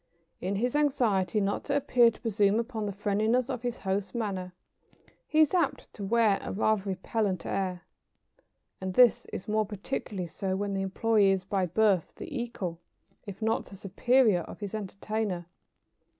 In his anxiety not to appear to presume upon the friendliness of his host's manner, he is apt to wear a rather repellent air. And this is more particularly so when the employé is by birth the equal, if not the superior, of his entertainer.